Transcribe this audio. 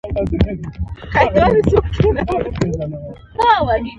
ایا ستاسو ورزش دوامدار نه دی؟